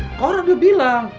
nkohar udah bilang